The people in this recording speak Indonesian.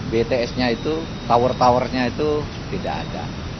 btsnya itu tower towernya itu tidak ada